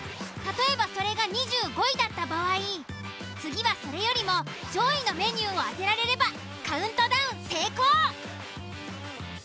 例えばそれが２５位だった場合次はそれよりも上位のメニューを当てられればカウントダウン成功。